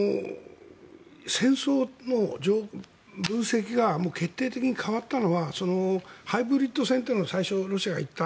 戦争の分析が決定的に変わったのはハイブリッド戦というのを最初、ロシアが言った。